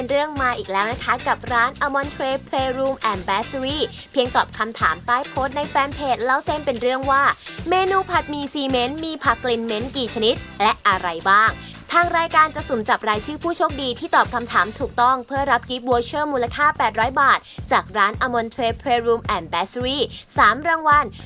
เอาล่ะฮะก็คอยติดตามมานะครับผมวันนี้ขอบคุณมากครับคุณเกดครับขอบคุณครับเชฟสีครับ